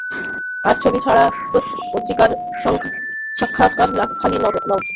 আর, ছবি ছাড়া পত্রিকার সাক্ষাৎকার খালি লাগবে।